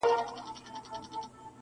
o هسي نه چي په شرابو اموخته سم,